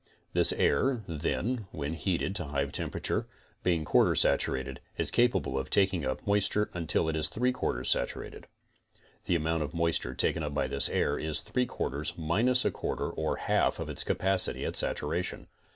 This air then when heated to hive temper ature, being 1 4 saturated, is capable of taking up moisture until it is 8 4 saturated. The amount of moisture taken up by this air is 8 4 minus 1 4 or 1 2 of its capacity at saturation.